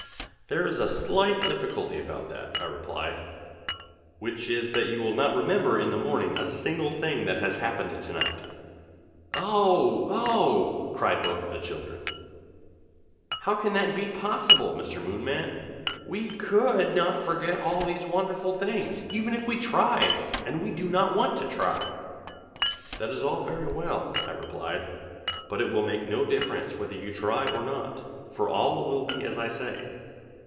"There is a slight difficulty about that," I replied, "which is that you will not remember in the morning a single thing that has happened to night." "Oh! Oh!" cried both the children, "how can that be possible, Mr. Moonman? we could not forget all these wonderful things, even if we tried, and we do not want to try." "That is all very well," I replied, "but it will make no difference whether you try or not, for all will be as I say.